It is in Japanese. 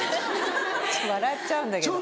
笑っちゃうんだけど。